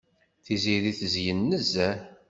Tiziri tezyen nezzeh.